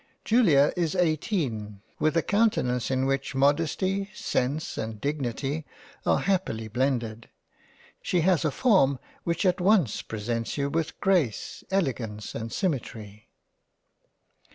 — Julia is eighteen; with a countenance in which Modesty, Sense and Dignity are happily blended, she has a form which at once presents you with Grace, Ele gance and Symmetry.